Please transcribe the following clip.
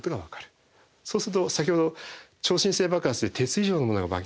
そうすると先ほど超新星爆発で鉄以上のものがまき散らされた。